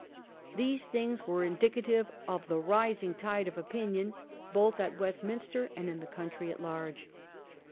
These things were indicative of the rising tide of opinion both at Westminster and in the country at large.